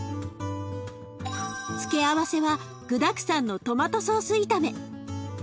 付け合わせは具だくさんのトマトソース炒め。